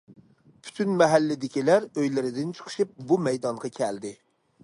پۈتۈن مەھەللىدىكىلەر ئۆيلىرىدىن چىقىشىپ بۇ مەيدانغا كەلدى.